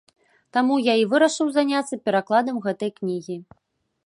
Таму я і вырашыў заняцца перакладам гэтай кнігі.